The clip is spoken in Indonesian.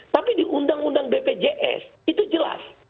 kalau diundang bpjs itu jelas